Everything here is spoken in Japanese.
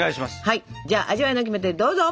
はいじゃあ味わいのキメテどうぞ！